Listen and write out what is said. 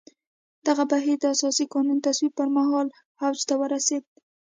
دغه بهیر د اساسي قانون تصویب پر مهال اوج ته ورسېد.